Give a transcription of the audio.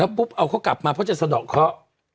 ปุ๊บเอาเขากลับมาเพราะจะสะดอกเคาะ